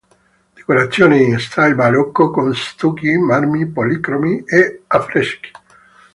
Decorazione in stile barocco con stucchi, marmi policromi e affreschi.